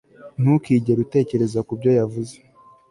Ntukigere utekereza kubyo yavuze